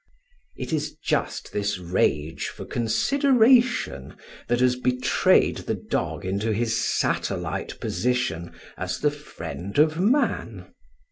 It is just this rage for consideration that has betrayed the dog into his satellite position as the friend of man.